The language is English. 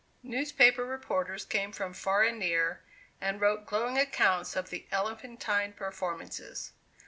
Newspaper reporters came from far and near, and wrote glowing accounts of the elephantine performances.